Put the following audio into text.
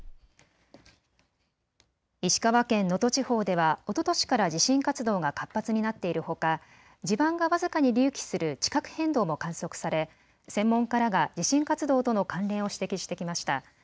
石川県能登地方ではおととしから地震活動が活発になっているほか地盤が僅かに隆起する地殻変動も観測され専門家らが地震活動との関連を指摘してきました。